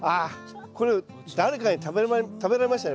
これ誰かに食べられましたね。